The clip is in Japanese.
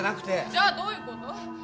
じゃあどういうこと？